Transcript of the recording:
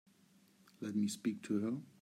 Let me speak to her.